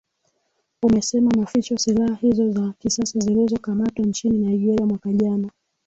umesema maficho silaha hizo za kisasa zilizo kamatwa nchini nigeria mwaka jana